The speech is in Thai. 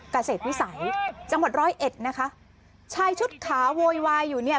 เกษตรวิสัยจังหวัดร้อยเอ็ดนะคะชายชุดขาวโวยวายอยู่เนี่ย